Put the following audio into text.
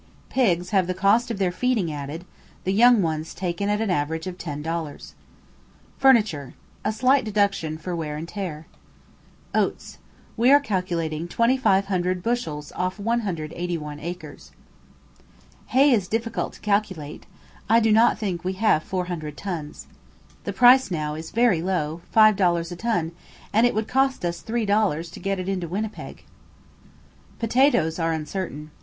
Pigs have the cost of their feeding added; the young ones taken at an average of ten dollars. Furniture. A slight deduction for wear and tear. Oats. We are calculating 2,500 bushels off 181 acres. Hay is difficult to calculate; I do not think we have 400 tons. The price now is very low; 5 dollars a ton, and it would cost us three dollars to get it into Winnipeg. Potatoes are uncertain.